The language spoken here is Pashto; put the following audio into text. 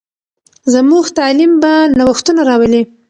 زموږ تعلیم به نوښتونه راولي.